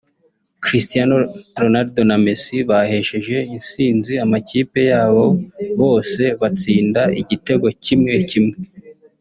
Cristiano Ronaldo na Messi bahesheje intsinzi amakipe yabo bose batsinda igitego kimwe kimwe